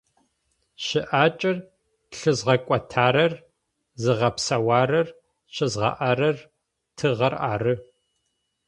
Щыӏакӏэр лъызгъэкӏуатэрэр, зыгъэпсэурэр, щызгъаӏэрэр тыгъэр ары.